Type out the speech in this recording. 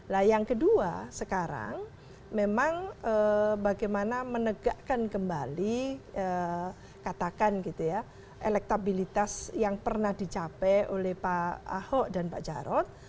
nah yang kedua sekarang memang bagaimana menegakkan kembali katakan gitu ya elektabilitas yang pernah dicapai oleh pak ahok dan pak jarod